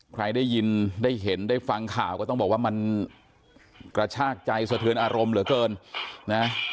ใครได้ยินได้เห็นได้ฟังข่าวก็ต้องบอกว่ามันกระชากใจสะเทือนอารมณ์เหลือเกินนะ